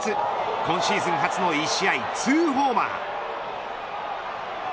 今シーズン初の１試合ツーホーマー。